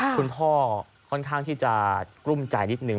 คุณพ่อค่อนข้างที่จะกลุ้มใจนิดนึ